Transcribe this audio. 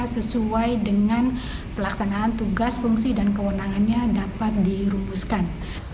sesuai dengan pelaksanaan tugas fungsi dan kewenangannya dapat dirumuskan